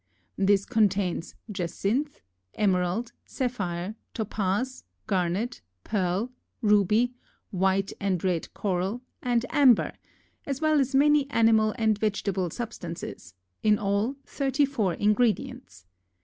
This contains jacinth, emerald, sapphire, topaz, garnet, pearl, ruby, white and red coral, and amber, as well as many animal and vegetable substances, in all, thirty four ingredients.